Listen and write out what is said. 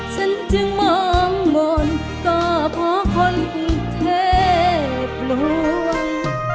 ฉันจึงมองมนต์ก็เพราะคนกรุงเทพลวง